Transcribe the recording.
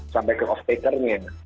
sampai ke off takernya